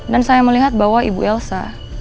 dan saya melihat bahwa ibu elsa